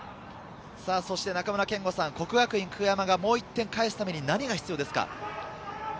中村憲剛さん、國學院久我山がもう１点返すために何が必要ですか？